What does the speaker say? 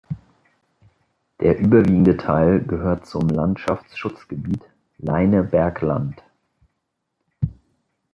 Der überwiegende Teil gehört zum Landschaftsschutzgebiet „Leinebergland“.